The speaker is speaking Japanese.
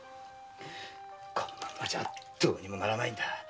このままじゃどうにもならないんだ。